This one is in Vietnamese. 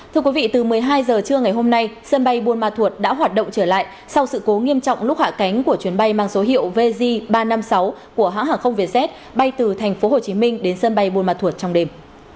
thưa quý vị từ một mươi hai h trưa ngày hôm nay sân bay buôn ma thuột đã hoạt động trở lại sau sự cố nghiêm trọng lúc hạ cánh của chuyến bay mang số hiệu vz ba trăm năm mươi sáu của hãng hàng không vietjet bay từ tp hcm đến sân bay buôn ma thuột trong đêm